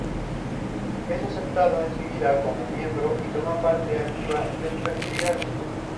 Es aceptado enseguida como miembro, y toma parte activa en sus actividades.